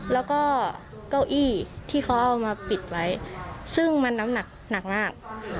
แล้วก็เก้าอี้ที่เขาเอามาปิดไว้ซึ่งมันน้ำหนักหนักมาก